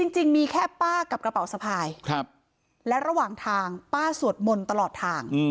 จริงมีแค่ป้ากับกระเป๋าสะพายและระหว่างทางป้าสวดมนต์ตลอดทาง